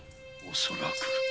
恐らく。